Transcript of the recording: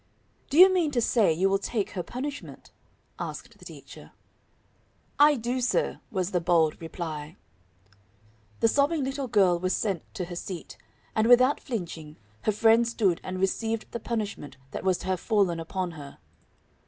"Do you mean to say you will take her punishment?" asked the teacher. "I do sir," was the bold reply. The sobbing little girl was sent to her seat, and without flinching, her friend stood and received the punishment that was to have fallen upon her.